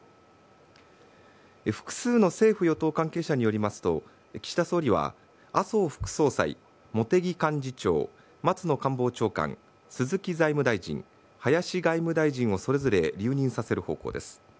複数の政府与党関係者によりますと岸田総理は麻生副総裁茂木幹事長松野官房長官、鈴木財務大臣林外務大臣をそれぞれ留任させる方向です。